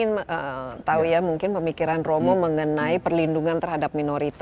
tetapi juga agar bisa membantu cara ini